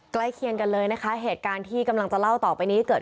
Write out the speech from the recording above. เคียงกันเลยนะคะเหตุการณ์ที่กำลังจะเล่าต่อไปนี้เกิด